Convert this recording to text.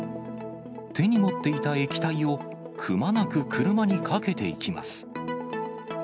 手に持っていた液体を、くまなく車にかけていきます。